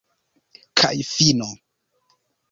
Kaj fino!